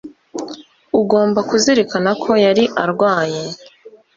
ugomba kuzirikana ko yari arwaye